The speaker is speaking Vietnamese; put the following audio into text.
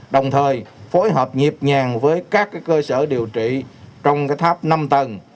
đồng thời phối hợp nhịp nhàng với các cơ sở điều trị trong tháp năm tầng